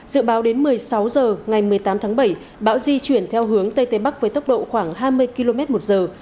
dự báo đến một mươi sáu giờ ngày một mươi tám tháng bảy bão di chuyển theo hướng tây tây bắc với tốc độ khoảng hai mươi km một giờ